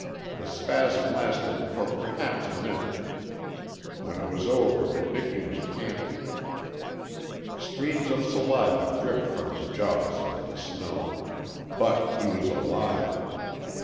The spasm lasted for perhaps a minute. When it was over Miki was panting. Streams of saliva dripped from his jaws into the snow. But he was alive.